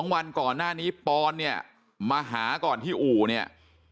วันก่อนหน้านี้ปอนเนี่ยมาหาก่อนที่อู่เนี่ย